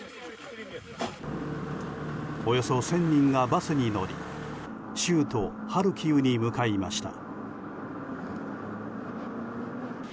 およそ１０００人がバスに乗り州都ハルキウに向かいました。